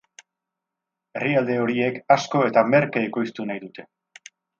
Herrialde horiek asko eta merke ekoiztu nahi dute.